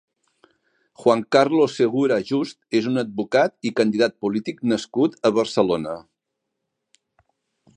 Juan Carlos Segura Just és un advocat i candidat polític nascut a Barcelona.